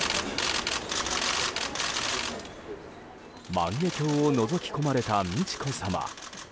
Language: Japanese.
万華鏡をのぞき込まれた美智子さま。